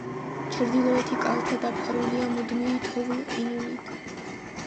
ჩრდილოეთი კალთა დაფარულია მუდმივი თოვლ-ყინულით.